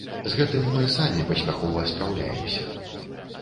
З гэтым мы самі паспяхова спраўляемся.